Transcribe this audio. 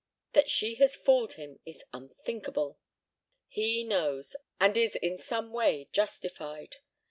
That she has fooled him is unthinkable." "He knows, and is in some way justified.